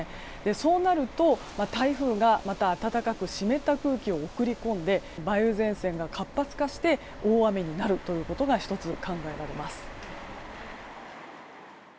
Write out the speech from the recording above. そうなると、台風がまた暖かく湿った空気を送り込んで梅雨前線が活発化して大雨になることが１つ、考えられます。